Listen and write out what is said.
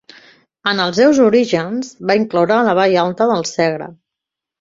En els seus orígens, va incloure la vall alta del Segre.